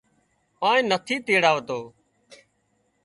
آنئين نٿِي تيڙاوتو